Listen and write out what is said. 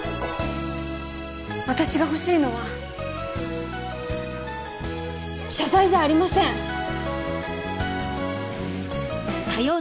私が欲しいのは謝罪じゃありませんえっ？